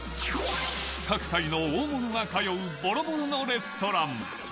各界の大物が通うぼろぼろのレストラン。